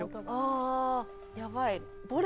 あやばい